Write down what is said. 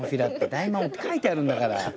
「大魔王」って書いてあるんだから。